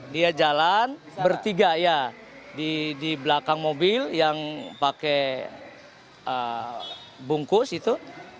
dia jalan bertiga ya di belakang mobil yang pakai bungkus itu